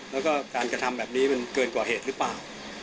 แล้วก็การกระทำแบบนี้มันเกินกว่าเหตุหรือเปล่า